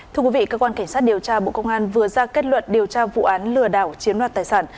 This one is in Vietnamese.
thưa quý vị cơ quan cảnh sát điều tra bộ công an vừa ra kết luận điều tra vụ án lừa đảo chiếm đoạt tài sản